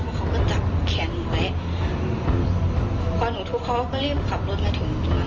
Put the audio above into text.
เพราะเขาก็จับแขนหนูไว้พอหนูทุบเขาเขาก็รีบขับรถมาถึงตรงนั้น